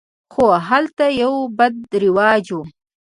خو هلته یو بد رواج و.